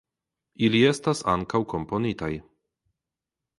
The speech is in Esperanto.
Ili estas ankaŭ komponitaj.